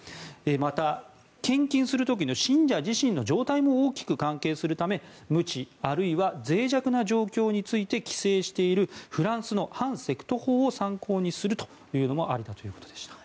また、献金する時の信者自身の状態も大きく関係するため無知あるいは脆弱な状況について規制しているフランスの反セクト法を参考にするというのもありだということでした。